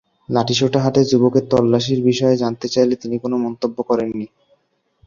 লাঠিসোঁটা হাতে যুবকদের তল্লাশির বিষয়ে জানতে চাইলে তিনি কোনো মন্তব্য করেননি।